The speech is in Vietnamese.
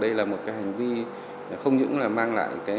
đây là một cái hành vi không những là mang lại